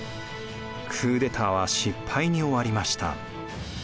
クーデターは失敗に終わりました。